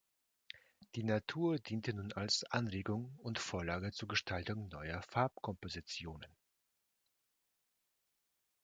Die Natur diente nun als Anregung und Vorlage zur Gestaltung neuer Farbkompositionen.